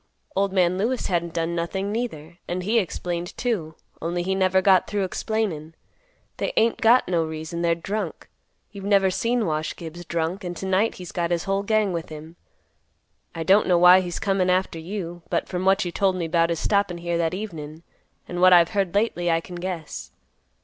Old man Lewis hadn't done nothing neither, and he explained, too; only he never got through explainin'. They ain't got no reason. They're drunk. You've never seen Wash Gibbs drunk, and to night he's got his whole gang with him. I don't know why he's comin' after you, but, from what you told me 'bout his stoppin' here that evenin', and what I've heard lately, I can guess.